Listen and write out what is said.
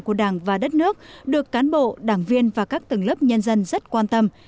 của đảng và đất nước được cán bộ đảng viên và các tầng lớp nhân dân rất quan tâm